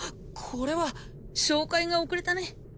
これは紹介が遅れたね